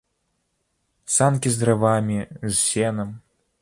Санкі з дрывамі, з сенам.